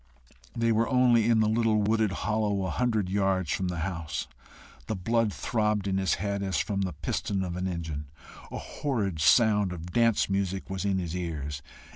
They were only in the little wooded hollow, a hundred yards from the house. The blood throbbed in his head as from the piston of an engine. A horrid sound of dance music was in his ears.